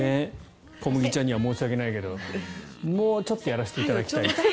こむぎちゃんには申し訳ないけどもうちょっとやらせていただきたい。